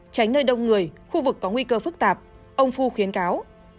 tránh nơi đông người khu vực có nguy cơ phức tạp ông fu khuyến cáo